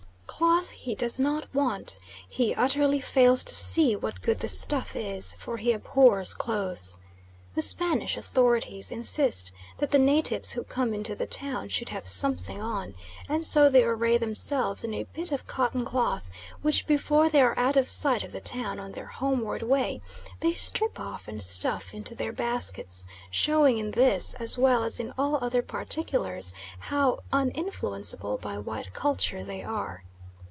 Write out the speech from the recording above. Cloth he does not want; he utterly fails to see what good the stuff is, for he abhors clothes. The Spanish authorities insist that the natives who come into the town should have something on, and so they array themselves in a bit of cotton cloth, which before they are out of sight of the town on their homeward way, they strip off and stuff into their baskets, showing in this, as well as in all other particulars, how uninfluencible by white culture they are.